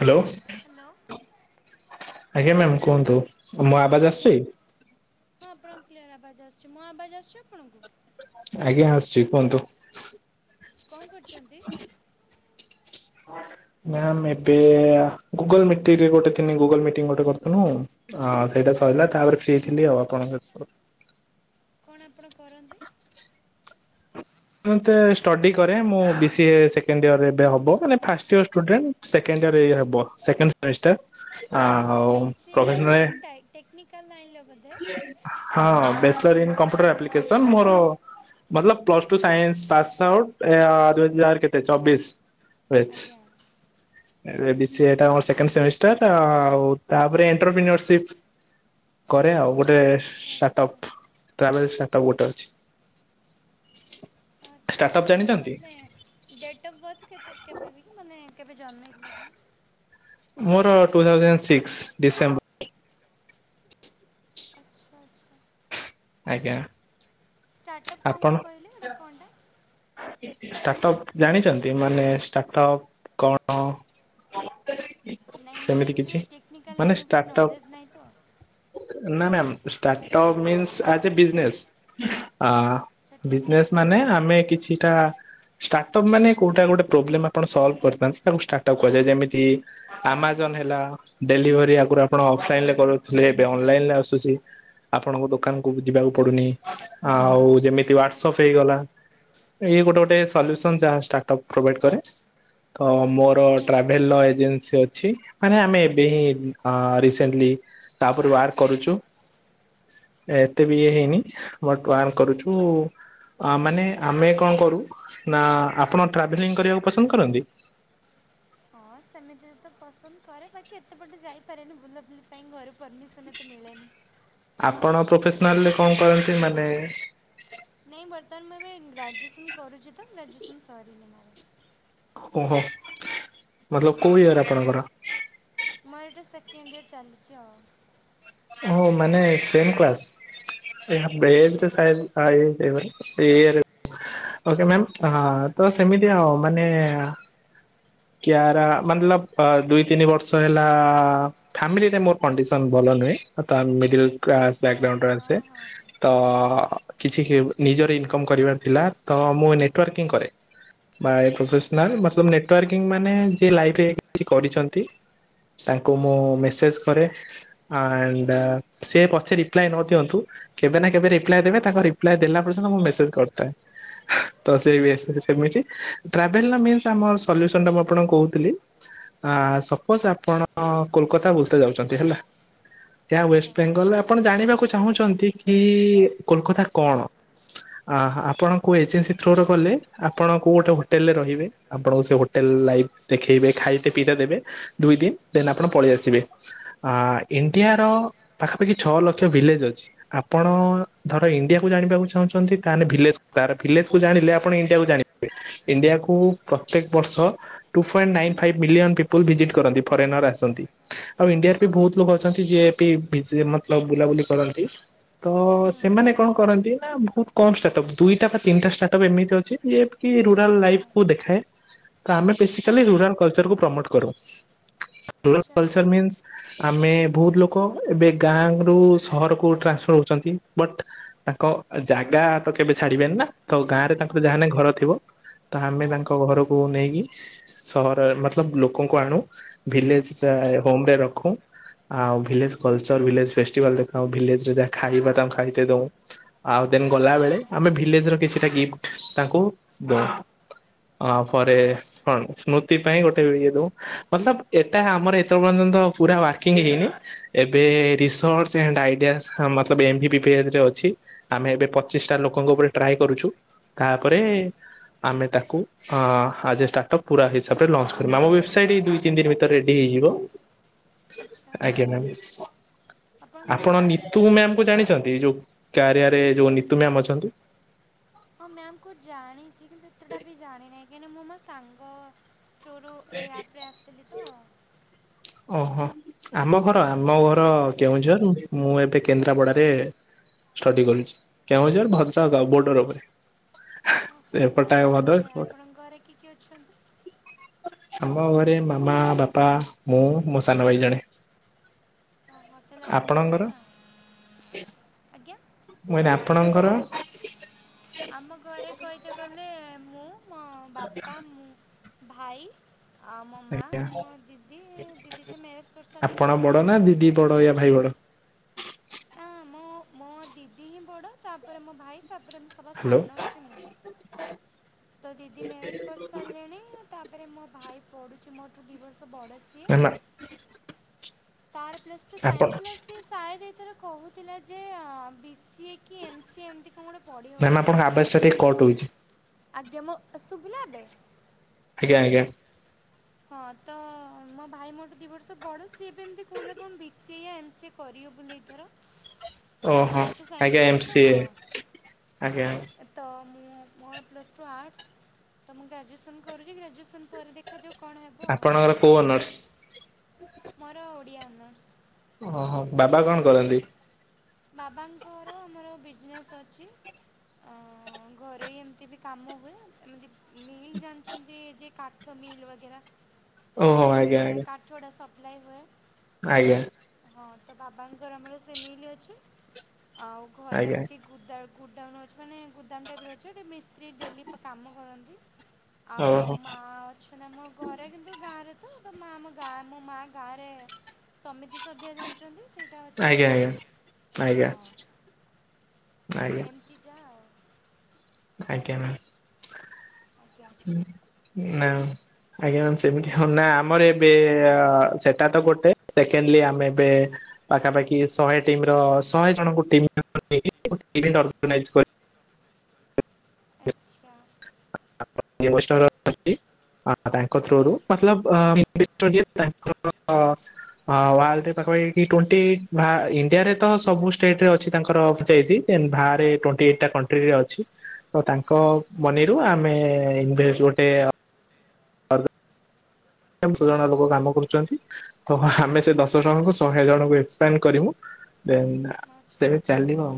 Hello hello ଆଜ୍ଞା ma'am କୁହନ୍ତୁ। ମୋ ଆବାଜ ଆଜ୍ଞା ଆସୁଛି ହଁ ଆପଣଙ୍କ କ୍ଲିୟର ଆବାଜ ଆସୁଛି ମୋ ଆବାଜ ଆସୁଛି ଆପଣଙ୍କୁ? ଆଜ୍ଞା ଆସୁଛି କୁହନ୍ତୁ। କଣ କରୁଛନ୍ତି? ହଁ। ମ୍ୟାମ ଏବେ ଗୁଗଲ ମିଟିରେ ଗୋଟେ ଥିନି ଗୁଗଲ ମିଟିଂ ଗୋଟେ କରିଥିଲୁ ଆଉ। ଏଇଟା ସରିଲା ଆଜ୍ଞା। ତାପରେ ଫ୍ରୀ ଥିଲି ଆଉ ଆପଣଙ୍କ ସହିତ [unintelligible] କଣ ଆପଣ କରନ୍ତି? ମୋତେ ଷ୍ଟଡ଼ି କରେ ମୁଁ B C A second year ଏବେ ହେବ ମାନେ first year student second year ଇଏ ହେବ ସେକେଣ୍ଡ ଆଜ୍ଞା। ସେମିଷ୍ଟାର। ଆଉ ପ୍ରଫେସନରେ ଟେକ୍ନିକାଲ ଲାଇନର ବୋଧେ? ହଁ ବ୍ୟାଚଲର ଇନ୍ କମ୍ପ୍ୟୁଟର ଆପ୍ଲିକେସନ। ମୋର ମତଲବ plus two science pass out ଆଁ ଦୁଇହଜାର କେତେ ଚବିଶ ହୋଇଛି। ଆଜ୍ଞା। ବି ସି ଏ ଟା ଆଚ୍ଛା। ମୋର ସେକଣ୍ଡ ସେମିଷ୍ଟାର ଆଉ ତାପରେ ଏଣ୍ଟରପ୍ରିନରସିପ। କରେ ଆଉ ଗୋଟେ ଆଚ୍ଛା ଆଚ୍ଛା ଷ୍ଟାର୍ଟପ୍ ଟ୍ରାଭେଲ ଷ୍ଟାର୍ଟପ୍ ଗୋଟେ ଅଛି। ଆଚ୍ଛା ଷ୍ଟାର୍ଟଅପ୍ ଆପଣଙ୍କ ଜାଣିଛନ୍ତି? ମାନେ ଡେଟ୍ ଅଫ୍ ବାର୍ଥ କେତେ କେବେ ବି କି ମାନେ କେବେ ଜନ୍ମ ହେଇଥିଲେ? ମୋର ଟୁ ଥାଉଜେଣ୍ଟ ସିକ୍ସ ଡିସେମ୍ବର। ଆଚ୍ଛା ଆଚ୍ଛା। ଆଜ୍ଞା। ଷ୍ଟାର୍ଟଅପ କଣ ଗୋଟେ କହିଲେ ଏଟା କଣଟା? ଷ୍ଟାର୍ଟ ଅପ୍ ଜାଣିଛନ୍ତି ମାନେ ଷ୍ଟାର୍ଟ ଅପ କଣ? [unintelligible] ନାଇଁ ମୋର ସେମିତି କିଛି? ଆକ୍ଚୁଲି ଟେକ୍ନିକାଲ ମାନେ ଲାଇନ ଉପରେ ଷ୍ଟାର୍ଟଅପ୍ ନଲେଜ ନାହିଁ ତ। ନା ma'am startup means as a business ଆ ଠିକ୍ ଅଛି। ବିଜନେସ୍ ମାନେ ଆମେ କିଛିଟା ଷ୍ଟାର୍ଟ ଅପ ମାନେ କୋଉଟା ଗୋଟେ ପ୍ରୋବ୍ଲେମ ଆପଣ ସଲ୍ଭ କରିଥାନ୍ତି ତାକୁ ଷ୍ଟାର୍ଟଅପ୍ କୁହାଯାଏ। ଯେମିତି ଆମାଜନ ହେଲା ଡେଲିଭରି ଆଗରୁ ଆପଣ ଅଫଲାଇନ ରେ କରୁଥିଲେ ଏବେ ଅନଲାଇନ ରେ ଆସୁଛି। ଆପଣଙ୍କୁ ଦୋକାନକୁୁ ବି ଯିବାକୁ ପଡୁନି। ଆଉ ଯେମିତି ହ୍ଵାଟସପ୍ ହେଇଗଲା। ଇଏ ଗୋଟେ ଗୋଟେ ଆଚ୍ଛା ସଲ୍ୟୁସନ ଯାହା ଷ୍ଟାର୍ଟ ଅପ୍ ପ୍ରୋଭାଇଡ କରେ। ତ ମୋର ଆଚ୍ଛା ଟ୍ରାଭେଲର ଏଜେନ୍ସି ଅଛି। ଛି ମାନେ ଆମେ ଏବେ ହିଁ ଅ ରିସେଣ୍ଟଲି ତାପରେ ୱାର୍କ କରୁଛୁ। ଏତେ ବି ଇଏ ଆଚ୍ଛା ହେଇନି ବଟ ପ୍ଲାନ୍ କରୁଛୁ ମାନେ ଆମେ କଣ କରୁ ନା ଆପଣ ଟ୍ରାଭେଲିଂ କରିବାକୁ ପସନ୍ଦ କରନ୍ତି? ହଁ ସେମିତିରେ ତ ପସନ୍ଦ କରେ ବାକି ଏତେ କୁଆଡେ ଯାଇପାରେନି ବୁଲାବୁଲି ପାଇଁ ଘରୁ ପରମିସନ ଏତେ ମିଳେନି। ହଁ ଆପଣ ପ୍ରଫେସନାଲରେ କଣ କରନ୍ତି ମାନେ ନାହିଁ ବର୍ତ୍ତମାନ ମୁଁ ଏବେ ଗ୍ରାଜୁଏସନ୍ କରୁଛି ତ ଗ୍ରାଜୁଏସନ୍ ସରିିନି ମୋର। ଓହୋ ମତଲବ କୋଉ ଘରେ ହୁଁ ଆପଣଙ୍କର? ମୋର ଏଇଟା ସେକେଣ୍ଡ ଇୟର ଚାଲିଛି ଆଉ। ଓ ମାନେ ସେମ କ୍ଲାସ ହୁଁ ହୁଁ ଓକେ ମ୍ୟାମ ଆ ତ ସେମିତି ଆଉ ମାନେ କ୍ୟାରା ମତଲବ ଦୁଇ ତିନି ବର୍ଷ ହେଲା ଫାମିଲିଟା ମୋର କଣ୍ଡିସନ ଭଲ ନୁହେ। ତ ମିଡିଲ କ୍ଲାସ ଆଚ୍ଛା ବ୍ୟାଗଗ୍ରାଉଣ୍ଡରୁ ହଁ ଆସେ। ହଁ ତ କିଛି ହି ନିଜର ଇନକମ୍ କରିବାର ଥିଲା ତ ମୁଁ ନେଟୱାର୍କିଂ କରେ। ବାଏ ଆଚ୍ଛା ପ୍ରଫେସନାଲ ମତଲବ ନେଟୱାର୍କିଂ ମାନେ ଯିଏ ଲାଇଫରେ କିଛି କରିଛନ୍ତି। ତାଙ୍କୁ ଆଜ୍ଞା ମୁଁ ମେସେଜ କରେ ଆଣ୍ଡ ସିଏ ପଛେ ରିପ୍ଲାଏ ନ ଦିଅନ୍ତୁ କେବେ ନା କେବେ ଆଜ୍ଞା ରିପ୍ଲାଏ ଦେବେ ତାଙ୍କ ରିପ୍ଲାଏ ଦେଲା ପର୍ଯ୍ୟନ୍ତ ମୁଁ ମେସେଜ୍ କରୁଥାଏ। ତ ସେ ବି ଆ ସେମିତି ଟ୍ରାଭେଲର ମିଲ୍ସ ଆମର ସଲ୍ୟୁସନ୍ ଟୁ ମୁଁ ଆପଣଙ୍କୁ କହୁଥିଲି ଆ ସପୋଜ ଆପଣ କୋଲକାତା ବୁଲିତେ ଯାଉଛନ୍ତି ହେଲା। ଏହା ଆଚ୍ଛା ୱେଷ୍ଟ ବେଙ୍ଗଲ ଆପଣ ଜାଣିବାକୁ ଚାହୁଁଛନ୍ତି କି କୋଲକାତା କଣ। ଅ ଆପଣ କୋଉ ଏଜେନ୍ସି ଥ୍ରୋରେ ଗଲେ ଆପଣ କୋଉ ଗୋଟେ ହୋଟେଲରେ ରହିବେ ଆ ଆପଣଙ୍କୁ ସେ ହୋଟେଲ ଲାଇଫ ଦେଖେଇବେ ଖାଇତେ ପିଇ ଦେବେ ଦୁଇ ଦିନ ଦେନ ଆପଣ ପଳେଇ ଆସିବେ। ଆ ଇଣ୍ଡିଆ ର ପାଖାପାଖି ଛଅ ଲକ୍ଷ ଭିଲେଜ ଅଛି। ଆପଣ ଧର ଇଣ୍ଡିଆ କୁ ଜାଣିବାକୁ ଚାହୁଁଛନ୍ତି ତାହେଲେ ଭିଲେଜ ଭିଲେଜକୁ ଜାଣିଲେ ଆପଣ ଇଣ୍ଡିଆକୁ ଜାଣିବେ ଇଣ୍ଡିଆକୁ ପ୍ରତ୍ୟେକ ବର୍ଷ two point nine five million people visit କରନ୍ତି ଫରେନର ଆସନ୍ତି। ଆଉ ଇଣ୍ଡିଆରେ ବି ବହୁତ ହୁଁ ଲୋକ ଅଛନ୍ତି ଯିଏ ପି ଭି ସବୁ ଆଚ୍ଛା ବୁଲାବୁଲି କରନ୍ତି ତ ହୁଁ ସେମାନେ କଣ କରନ୍ତି ନା ବହୁତ କମ୍ ଷ୍ଟାର୍ଟ ଅପ୍ ଦୁଇଟ ବା ତିନିଟା ଷ୍ଟାର୍ଟ ଅପ୍ ଏମତିଛି ଯିଏକି ରୁରାଲ୍ ଆଚ୍ଛା ଲାଇଫ୍କୁ ଦେଖାଏ। ତ ଆମେ ହଁ ଆଚ୍ଛା ବେସିକାଲି ରୁରାଲ କଲଚରକୁ ପ୍ରମୋଟ କରୁ [unintelligible] ଆଚ୍ଛା କଲଚର ମିନ୍ସ ଆଚ୍ଛା ଆମେ ବହୁତ ଲୋକ ଏବେ ଗାଁ ରୁ ସହରକୁୁ ଟ୍ରାନ୍ସଫର ହଉଛନ୍ତି ବଟ ତାଙ୍କ ଜାଗା ତ କେବେ ଛାଡିବେନି ନା। ତ ଗାଁ ରେ ଆଚ୍ଛା ତାଙ୍କୁ ହଁ ଯାହାନେ ଘର ଥିବ ତ ଆମେ ହଁ ତାଙ୍କ ଘରକୁ ନେଇକି ସହର ମତଲବ ଲୋକଙ୍କୁ ଆଣୁ ଭିଲେଜ ଆଜ୍ଞା [unintelligible] ହୋମ ରେ ରଖୁ। ଆଉ ହୁଁ ଭିଲେଜ କଲଚର ଭିଲେଜ ଫେଷ୍ଠିଵାଲ ଦେଖ ଭିଲେଜରେ ଯାହା ଖାଇବା ତାଙ୍କୁ ଖାଇତେ ଦବ। ଆଉ ଦେନ୍ ଗଲାବେେଳେ ଆଚ୍ଛା ଆମେ ଭିଲେଜ ର କିଛିଟା ଗିଫ୍ଟ ତାଙ୍କୁ ଦଉ। ତାପରେ ଆଚ୍ଛା ଆଚ୍ଛା କଣ ସ୍ମୃତି ପାଇଁ ଗୋଟେ ଇଏ ଦଉ ମତଲବ ଏଟା ଆମର ଏତ ପର୍ଯ୍ୟନ୍ତ ପୁରା ୱାକିଙ୍ଗ ହେଇନି। ଏବେ ରି ସର୍ଚ୍ଚ ଏଣ୍ଡ ଆଇଡିଆ ମତଲବ ଏମ୍ବି ପିପିସ ରେ ଅଛି। ଆମେ ଏବେ ପଚିଶ ଟା ଲୋକଙ୍କ ଉପରେ ଟ୍ରାଏ କରୁଛୁ ତାପରେ ଆଚ୍ଛା ଆମେ ତାକୁ ହଁ ଆ ଷ୍ଟାର୍ଟ୍ ପୁରା ହିସାବରେ ଲଞ୍ଚ କରିବ ଆମ ୱେବସାଇଟ୍ ଦିଇ ତିନି ଦିନ ଭିତରେ ରେଡି ହେଇଯିବ। ଆଚ୍ଛା ଆଚ୍ଛା ଆଜ୍ଞା ମ୍ୟାମ୍ ଆପଣଙ୍କ ଆପଣ ଘର କେଠି ନିତୁ ତାହେଲେ ମ୍ୟାାମ କୁ ଜାଣିଛନ୍ତି ଯୋଉ? କ୍ୟାରିୟାରେ ଯୋଉ ନିତୁ ମ୍ୟାମ୍ ଅଛନ୍ତି। ହଁ ମ୍ୟାମ୍ କୁ ଜାଣିଛି କିନ୍ତୁ ଏତେଟା ବି ଜାଣିିନନାହିଁ କାହିଁକିନା ମୋ ସାଙ୍ଗ ଥ୍ରୋରୁ ଏଇ ଆପ୍ ରେ ଆସିଥିଲି ତ। ଓହୋ ଆମ ଘର ହୁଁ ଆମ ଘର ଆଜ୍ଞା କେଉଁଝର। ମୁଁ ଏବେ କେନ୍ଦ୍ରାପଡାରେ ଷ୍ଟଡି କରୁଛି କେଉଁଝର ଭଦ୍ରକ ବୋର୍ଡର ଉପରେ। ଓହୋ ଏପଟା ଭଲ ଭଦ୍ରକ ତାହେଲେ ସେପଟେ। ଆପଣଙ୍କ ଘରେ କିଏ କିଏ ଅଛନ୍ତି? ଆମ ଘରେ ମାମା ବାପା ମୁଁ ମୋ ସାନ ଭାଇ ଜଣେ ଓହୋ ତାହେଲେ ଆପଣ ବଡ଼ ଆପଣଙ୍କର ନା ଆଜ୍ଞା ମୁି ଆପଣଙ୍କର? ଆମ ଘରେ କହିିକେ ଗଲେ ମୁଁ ମୋ ବାପା ମୁଁ ଭାଇ ଆଉ ମୋ ମାଆ ମୋ ଦିଦି ଦିଦି ସେ ମ୍ୟାରେଜ୍ କରିସାରିଲେଣି ଆପଣ ମୋ ବଡ ଭାଇ ନା ମୋଠୁ ଦୁଇ ଦିଦି ବଡ ବର୍ଷ ୟା ବଡ଼। ଭାଇ ବଡ ନା ମୋ ମୋ ଦିଦି ହିଁ ବଡ ତାପରେ ମୋ ଭାଇ ତାପରେ ସବା ହ୍ୟାଲୋ ସାନ ହଉଛି ମୁଁ ତ ଦିଦି ମ୍ୟାରେଜ କରିସାରିଲେଣି। ତାପରେ ମୋ ଭାଇ ପଢୁଛି ମୋଠୁ ଦୁଇ ବର୍ଷ ବଡ଼ ସିଏ। ମ୍ୟାମ ତାର ପ୍ଲସ୍ ଟୁ ଆପଣ ସାଇନ୍ସସି ଲା ସେ ସାୟଦ ଏଥରେ କହୁଥିଲା ଯେ ବି ସିଏ କି ଏମ ସି ଏମିତି କଣ ଗୋଟେ ପଢ଼ିବ ମ୍ୟାମ ବୋଲି। ଆପଣଙ୍କ ଆବାଜ ଟା ଟିକେ କଟ ହଉଛି ଆଜ୍ଞା ମୁଁ ଶୁଭିଲା ଏବେ? ଆଜ୍ଞା ଆଜ୍ଞା। ହଁ ତ ମୋ ଭାଇ ମୋଠୁ ଦି ବର୍ଷ ବଡ ସିଏ ବି ଏମିତି କହୁଲା କଣ ବି ସିଏ ଏମ ସି ଏ କରିବ ବୋଲି ଏଇଥର। ତାର ଓହୋ ପ୍ଲସ ଟୁ ସାଇନ୍ସ ଆଜ୍ଞା ଏମ ଥିଲା ତ ସିଏ ହଁ। ଆଜ୍ଞା ତ ମୁଁ ମୋର ପ୍ଲସ୍ ଟୁ ଆର୍ଟସ୍ ତ ମୁଁ ଗ୍ରାଜୁଏସନ୍ କରୁଛି ଗ୍ରାଜୁଏସନ୍ ପରେ ଦେଖାଯାଉ। କଣ ହେବ ଆଉ ଆପଣଙ୍କର କୋଉ ଅନର୍ସ? ମୋର ଓଡ଼ିଆ ଅନର୍ସ। ଓହୋ ବାବା କଣ କରନ୍ତି? ବାବାଙ୍କର ଆମର ବିଜନେସ୍ ଅଛି। ଘରେଇ ଏମିତି ବି କାମ ହୁଏ, ଏମିତି। ମିଲ ଜାଣିଚନ୍ତି, ଯେ କାଠ ମିଲ ବାଗେରା ଓହୋ ଆଜ୍ଞା ଯଉଥିରେ ଆଜ୍ଞା କାଠ। ଥୋଡ଼ା ସପ୍ଲାଏ ହୁଏ। ଆଜ୍ଞା। ହଁ, ତ ବାବାଙ୍କର ଆମର ସେ ମିଲି ଅଛି। ଆଉ ଘରେ ଆଜ୍ଞା ଏମିତି। ଗୁଦାମ ଅଛି, ମାନେ ଗୋଦାମ ଟାଇପ୍ ର ଅଛି ଗୋଟେ ମିସ୍ତ୍ରୀ ଡେଲି କାମ କରନ୍ତି। ଆଉ ମୋ ଓହୋ ମା। ଅଛନ୍ତି ଆମ ଘରେ କିନ୍ତୁ ଗାଁରେ ତ ମା ଗାଁ ମୋ ମା ଗାଁ ରେ। ସମିତି ସଭ୍ୟ ଜାଣିଚନ୍ତି ସେଇଟା ଆଜ୍ଞା ଅଛନ୍ତି। ଆଜ୍ଞା ଆଜ୍ଞା ଆଜ୍ଞା ହଁ ଏମତି ଯା ଆଉ। ଆଜ୍ଞା ମ୍ୟାମ। ଆଜ୍ଞା ହୁଁ ନା। ଆଜ୍ଞା ମ୍ୟାମ୍ ସେମିତି ହ। ନା ଆମର ଏବେ ସେଟା ତ ଗୋଟେ ସେକେଣ୍ଡଲି ଆମେ ଏବେ। ପାଖାପାଖି ଶହେ ଟିମ ର ଶହେ ଜଣଙ୍କୁ ଟିମ୍ ମେମ୍ବର ନେଇକି ଗୋଟେ ଇଭଣ୍ଟ ଅର୍ଗାନାଇଜ କରି। ଆଚ୍ଛା। [unintelligible] ଆଜ୍ଞା [unintelligible] ହଁ, ୱର୍ଲ୍ଡ ରେ ପାଖାପାଖି ଟୋଣ୍ଟି ଇଣ୍ଡିଆରେ ତ ସବୁ ଷ୍ଟେଟ ରେ ଅଛି ତାଙ୍କର। ବାହାରେ ଟ୍ବେଣ୍ଟି ଏଇଟ୍ ଟା କଣ୍ଟ୍ରି ରେ ଅଛି। ତ ତାଙ୍କ ଆଚ୍ଛା ଆଚ୍ଛା ମନି ରୁ ଆମେ ଇନଭେଷ୍ଟ୍ ଗୋଟେ। ପୁରୁଣା ଲୋକ କାମ କରୁଚନ୍ତି, ତ ଆମେ ସେ ଦଶ ଆଚ୍ଛା ଜଣଙ୍କୁ ସ। ହେ ଜଣଙ୍କୁ ଏକ୍ସପେଣ୍ଡ କରିବୁ। ଦେନ୍ ସେ ଆଚ୍ଛା ଚାଲିବ ଆଉ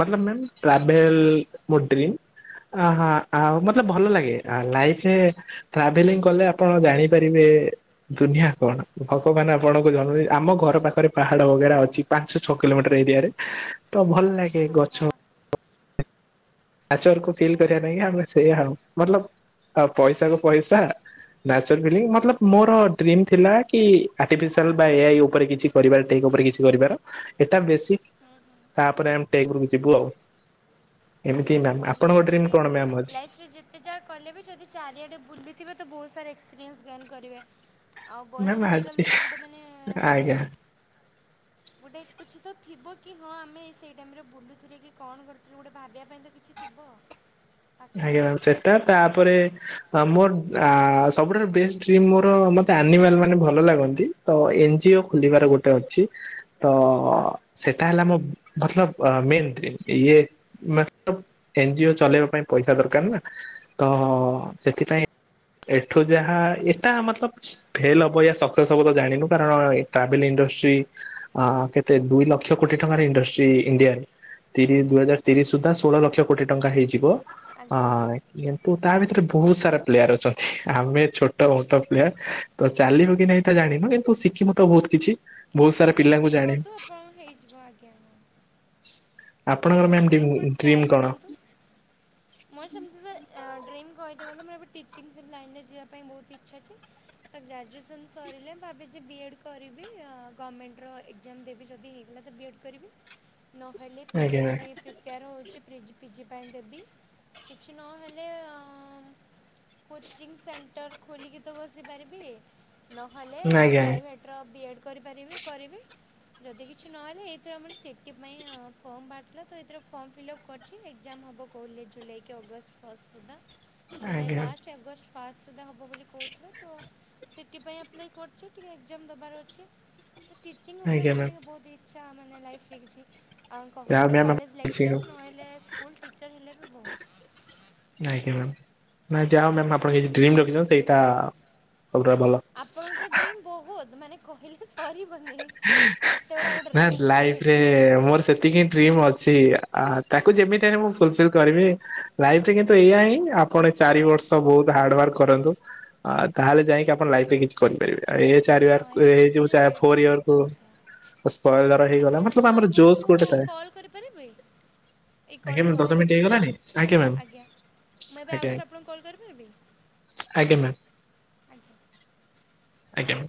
ମତଲବ ମ୍ୟାମ। ଟ୍ରାଭେଲ ମୋ ଡ୍ରିମ୍। ଅହ ଆଉ ମତ ଭଲ ଲାଗେ, ଲାଇଫ ରେ ଟ୍ରାଭେଲିଂ କଲେ ଆପଣ ଜାଣ। ପାରିବେ ଦୁନିଆ କଣ। ଭଗବାନ ଆପଣଙ୍କୁ ଜ ଆମ ଘର ପାଖେରେ ପାହାଡ ବଗେରା ଅଛି। ପାଞ୍ଚ, ଛଅ କିଲୋମିଟର ଏରିଆରେ ତ ଭଲ ଲାଗେ। ଅ ହ। ଆଚର କୁ ଫିଲ୍ କରିବା ଆଚ୍ଛା ପାଇଁ ଆଚ୍ଛା ଆମେ ସେଇଆ ଆଉ। ମତଲବ ଆ ପଇସା କୁ ପଇସା। ନେଚର ଫିଲ ମତଲବ ମୋର ଡ୍ରିମି ଥିଲା କି ଆଟିଫିସିଲ ବା ଏଆଇ ଉପରେ କିଛି। କରିବା ଟେକ୍ ଉପରେ କିଛି କରିବାର, ଏଟା ବେସିକ ହୁଁ ହୁଁ ତାପରେ ଆମେ ଟେକ୍ ଉପରୁକୁ ଯିବୁ ଆଉ। ଏମିତି ହଁ ମ୍ୟାମ୍ ଭଲ, ଆପଣଙ୍କ ଡ୍ରିମ୍ ଆକ୍ଚୁଲି କଣ ମ୍ୟାମ୍ ଅଛି ଲାଇଫରେ ଯେତେ। ଯେତେ ଯାହା କଲେ ବି ଯଦି ଚାରିଆଡ଼େ ବୁଲିଥିବେ ତ ବହୁତ ସାରା ଏକ୍ସପିରିଏନ୍ସ ଗେନ୍ କରିବେ। ଆଉ ମ୍ୟାମ୍ ବୟସ ଆଜି ହେଇଗଲେ ଯେ ଗୋଟେ ମାନେ। ଆଜ୍ଞା। ଗୋଟେ କିଛି ତ ଥିବ କି ହଁ ଆମେ ସେଇ ଟାଇମରେ ବୁଲୁଥିଲେ କି କଣ କରିଥିଲୁ ଗୋଟେ ଭାବିଆ ପାଇଁ ତ କିଛି ଥିବ। [inaudible] ଆଜ୍ଞା ମ୍ୟାମ, ସେଟା ତାପରେ। ଆମ ଆ ସବୁଠାରୁ ବେଷ୍ଟ ଡ୍ରିମ୍ ମୋର ମତେ ଆନିମାଲ ମାନେ ଭଲ ଲାଗନ୍ତି ତ ଏନଜିଓ। ଖୁଲିବାର ଆଚ୍ଛା ଗୋଟେ ଆଚ୍ଛା ଅଛି। ତ ସେଟା ହେଲା ମୋ ମତଲବ ମେନ୍ଡ ଡ୍ରୀମ୍। ମତଲବ ଏନଜିଓ ଚଲେଇବା ପାଇଁ ପଇସା ଦରକାର ନା ତ ଆଚ୍ଛା ସେଥିପାଇଁ। [inaudible] ଏଠୁ ଯାହା ଏଟା ମତଲବ ଫେଲ ହବ ସକ୍ସେସ୍ ହବ ତ ଜାଣିନୁ କାରଣ ଏ ଟ୍ରାଭେଲ ଇଣ୍ଡଷ୍ଟ୍ରି ଅ କେତେ ଦୁଇ ଲକ୍ଷ କୋଟି ଟଙ୍କାର ଇଣ୍ଡଷ୍ଟ୍ରି ଇଣ୍ଡିଆରେ। ତିରିଶ ଦୁଇ ହଜାର ତିରିଶ ଆଜ୍ଞା ସୁଦ୍ଧା ଷୋହଳ ଲକ୍ଷ କୋଟି ଟଙ୍କା ହେଇଯିବ। ଆଜ୍ଞା। ହଁ କିନ୍ତୁ ତା ଭିତରେ ବହୁତ ସାରା ପ୍ଲେୟାର ଅଛନ୍ତି ଆମେ ଛୋଟ ମୋଟ ପ୍ଲେୟାର ତ ଚାଲିବ କି ନାଇଁ ତ ଜାଣିନୁ କିନ୍ତୁ ଶିଖିମ ତ ବହୁତ କିଛି। ବହୁତ କିଛି ସାରା ନାହିଁ ପିଲାଙ୍କୁ ଜାଣିନୁ ଶିଖନ୍ତୁ ଆପଣଙ୍କ ହେଇଯିବ ଆଜ୍ଞା। ହଁ ଆପଣଙ୍କର ମ୍ୟାମ୍ କିଛି ନାହିଁ ଡିମ୍ ଆପଣ ଟ୍ରାଏ ଡ୍ରିମ କଣ? କରନ୍ତୁ। ମୋର ସେମତି ଡ୍ରିମ୍ କହିଦେ ଗଲେ ମୋର ଏବେ ଟିଚିଙ୍ଗ ଲାଇନ୍ ରେ ଯିବା ପାଇଁ ବହୁତ ଇଚ୍ଛା ଅଛି। ତ ଗ୍ରାଜୁଏସନ୍ ସରିଲେ ଭାବିଛି ବିଏଡ଼୍ କରିବି ଅ ଗଭର୍ଣ୍ଣମେଣ୍ଟର ଏ କ୍ଜାମ ଦେବି ଯଦି ହେଇଗଲା ତ ବିଏଡ଼୍ କରିବି। ନହେଲେ ଆଜ୍ଞା ପିଜିରେ ବି ପ୍ରିପେୟାର ହେଉଛିି ପ୍ରିଜ୍ ପିଜି ପାଇଁ ଦେବି। କିଛି ନହେଲେ ଅ କୋଚିଂ ସେଣ୍ଟର ଖୋଲିକି ତ ବସିପାରିବି ନହେଲେ ମ୍ୟାମ୍ ଅ ଆଜ୍ଞା ପ୍ରାଇଭେଟ ପ୍ର ବିଏଡ଼୍ କରିପାରିବି କରିବି। ଯଦି କିଛି ନହେଲେ ଏଥିରେ ଆମର ସିଟି ପାଇଁ ଆଉ ଫର୍ମ ବାହାରିଥିଲା ତ ଏଥିରେ ଫର୍ମ ଫିଲ୍ଅପ୍ କରିଛି ଏକ୍ଜାମ ହେବ କହିଲେ ଜୁଲାଇ କି ଅଗଷ୍ଟ ଫଷ୍ଟ ସୁଦ୍ଧା ଜୁଲାଇ ଆଜ୍ଞା ଲାଷ୍ଟ। ଅଗଷ୍ଟ ଫାଷ୍ଟ ସୁଦ୍ଧା ହବ ବୋଲି କହୁଥିଲା ତ ସିଟିପାଇଁ ଆପ୍ଲାଏ କରୁଛି କୀରି ଏକ୍ଜାମ ଦେବାର ଅଛି। ତ ଟିଚିଙ୍ଗ ଉପରେ ଆଜ୍ଞା ମୋତ ମ୍ୟାମ୍ ଟିକେ ବହୁତ ଇଚ୍ଛା ମାନେ ଲାଇଫ୍ରରେ କିଛି। ଆଉ ଯାହା କବତ୍ ମ୍ୟାମ୍ ଆପଣ କଲେଜ ବୁଝିଲୁ। ଲେକ୍ଚର୍ ନହେଲେ ସ୍କୁଲ୍ ଟିଚର୍ ହେଲେ ବି ବହୁତ। ନାଇଁ ଆଜ୍ଞା ମେମ୍ ନାଇଁ ଯାହା ହୋଊ ହୁଁ ମ୍ୟାମ ଆପଣ ହୁଁ କିଚି ଡ୍ରିମି ରଖିଚନ୍ତି ସେଇଟା ସବୁଠୁରୁ ଭଲ। ଆପଣଙ୍କ ତ ଡ୍ରିମ୍ ବହୁତ ମାନେ କହିଲେ ତ ସରିବନି ଏତେ ଗୁଡ଼ାକ ଡ୍ରିମ୍ ମିଳୁଛି। ଏ ମୋର ସେତିକି ଡ୍ରିମ ଅଛି ଆ ତାକୁ ଯେମିତି ହେଲ୍ ମୁଁ ଫୁଲଫିଲ୍ କରିବି। ଲାଇଫ ରେ କିନ୍ତୁ ଏଇଆ ହିଁ ଆପଣ ଚାରି ବର୍ଷ ବହୁତ ହାର୍ଡୱାର୍କ କରନ୍ତୁ। ଅ ତାହେଲେ ଯାଇକି ଆପଣ ଲାଇଫରେ କିଛି କରିପାରିବେ ଆଉ ଏ ଚାରି ୱାର ଏଇଯୋଉ ଆକ୍ଚୁଆଲିରେ ଚାର୍ ସେଇଟା ଫୋର୍ ତ ଇୟର୍ ସତ କୁ କଥା। ସ୍ପଏ ଧର ହେଇଗଲା ଆଜ୍ଞା ମତ୍ ଲବ୍ ମୁଁ ଆମର ଜୋସ୍ ଆପଣଙ୍କୁ ଗୋଟେ ଥାଏ। କଲ୍ କରିପାରିବି ଏଇ କଲ୍ ଆଜ୍ଞା ମେମ ପରେ ଦଶ ମିନିଟ୍ ହେଇଗଲାଣି ଆଜ୍ଞା ମ୍ୟାମ୍। ମୁଁ ଏବେ ଆଜ୍ଞା ଆଉଥରେ ଆପଣଙ୍କୁ କଲ୍ କରିପାରିବି? ଆଜ୍ଞା ମ୍ୟାମ୍। ଆଜ୍ଞା। ଆଜ୍ଞା।